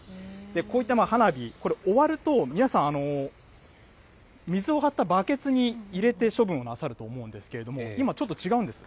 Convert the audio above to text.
こういった花火、これ終わると、皆さん、水を張ったバケツに入れて処分なさると思うんですけれども、今ちょっと違うんです。